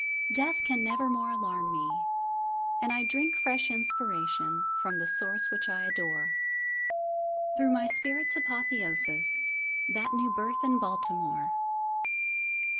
Death can never more alarm me, And I drink fresh inspiration From the Source which I adore Through my Spirit's apothéosis That new birth in Baltimore!